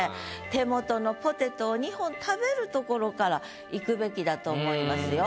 手元のポテトを２本食べるところからいくべきだと思いますよ。